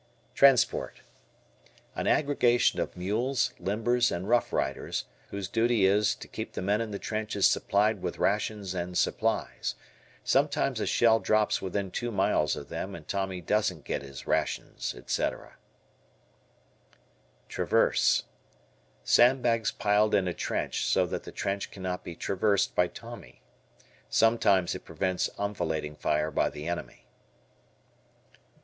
Transport. An aggregation of mules, limbers, and rough riders, whose duty is to keep the men in the trenches supplied with rations and supplies. Sometimes a shell drops within two miles of them and Tommy doesn't get his rations, etc. Traverse. Sandbags piled in a trench so that the trench cannot be traversed by Tommy. Sometimes it prevents enfilading fire by the enemy.